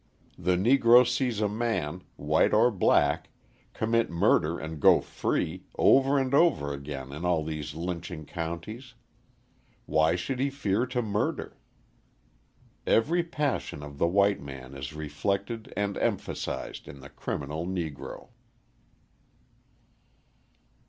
The Negro sees a man, white or black, commit murder and go free, over and over again in all these lynching counties. Why should he fear to murder? Every passion of the white man is reflected and emphasised in the criminal Negro.